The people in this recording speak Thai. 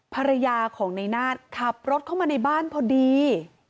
ภรรยาของในนาฏขับรถเข้ามาในบ้านพอดี